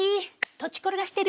土地転がしてる？